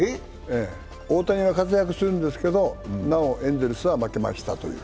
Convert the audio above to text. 大谷は活躍するんですけど、なおエンゼルスは負けましたと。